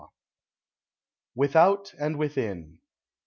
WITHOUT AND WITHIN".